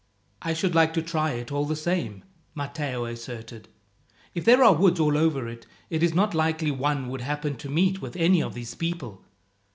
"I should like to try it, all the same," Matteo asserted. "If there are woods all over it, it is not likely one would happen to meet with any of these people.